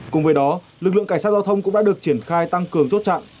cùng với đó lực lượng cảnh sát giao thông cũng đã được triển khai tăng cường chốt chặn